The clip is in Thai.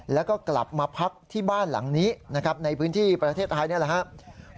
แล้วก็กลับมาพักที่บ้านหลังนี้นะครับในพื้นที่ประเทศไทยนี่แหละครับ